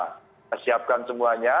kita siapkan semuanya